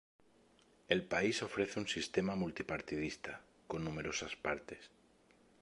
El país ofrece un sistema multipartidista, con numerosas partes.